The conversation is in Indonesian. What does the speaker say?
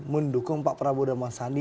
mendukung pak prabowo dan mas sandi